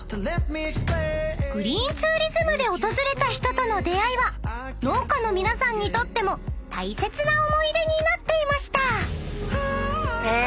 ［グリーンツーリズムで訪れた人との出会いは農家の皆さんにとっても大切な思い出になっていました］